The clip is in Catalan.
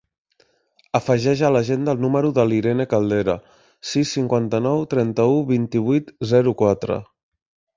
Afegeix a l'agenda el número de l'Irene Caldera: sis, cinquanta-nou, trenta-u, vint-i-vuit, zero, quatre.